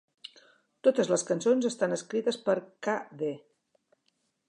Totes les cançons estan escrites per k.d.